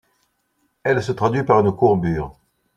Elle se traduit par une courbure.